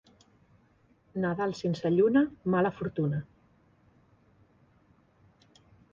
Nadal sense lluna, mala fortuna.